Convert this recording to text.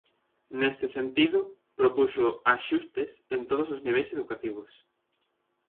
Neste sentido, propuxo "axustes" en todos os niveis educativos.